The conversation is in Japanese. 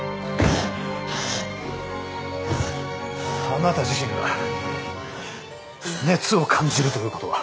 あなた自身が熱を感じるということは？